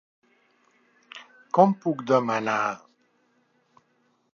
Com puc demanar...?